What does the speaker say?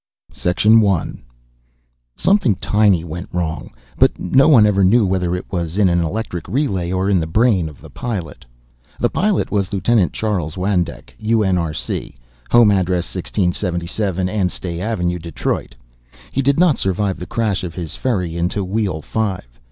_ 1. Something tiny went wrong, but no one ever knew whether it was in an electric relay or in the brain of the pilot. The pilot was Lieutenant Charles Wandek, UNRC, home address: 1677 Anstey Avenue, Detroit. He did not survive the crash of his ferry into Wheel Five.